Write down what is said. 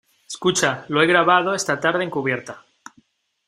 escucha, lo he grabado esta tarde en cubierta.